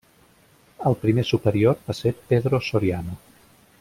El primer superior va ser Pedro Soriano.